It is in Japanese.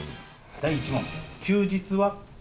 第１問、休日は？